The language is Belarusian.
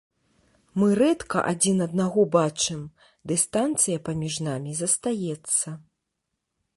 Мы рэдка адзін аднаго бачым, дыстанцыя паміж намі застаецца.